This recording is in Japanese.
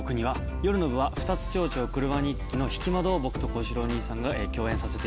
夜の部は『双蝶々曲輪日記』の引窓を僕と幸四郎兄さんが共演させていただきます。